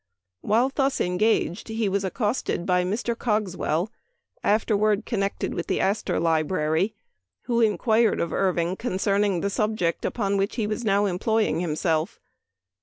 While thus engaged he was accosted by Mr. Cogswell, afterward connected with the Astor Library, who inquired of Irving concerning the subject upon which he was now employing himself.